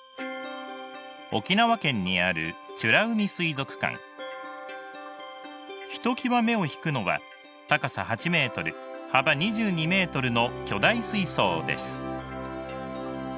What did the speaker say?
沖縄県にあるひときわ目を引くのは高さ８ｍ幅２２ｍの巨大水槽です。